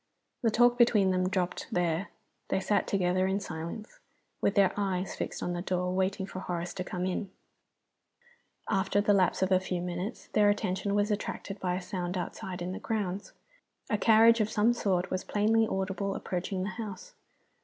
The talk between them dropped there. They sat together in silence, with their eyes fixed on the door, waiting for Horace to come in. After the lapse of a few minutes their attention was attracted by a sound outside in the grounds. A carriage of some sort was plainly audible approaching the house.